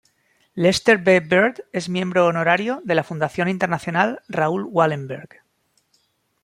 Lester B. Bird es Miembro Honorario de la Fundación Internacional Raoul Wallenberg.